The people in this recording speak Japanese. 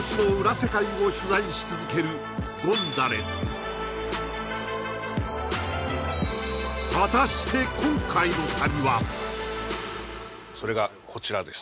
世界を取材し続けるゴンザレス果たしてそれがこちらです